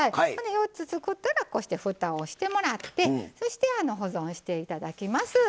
４つ作ったらこうしてふたをしてもらってそして保存して頂きます。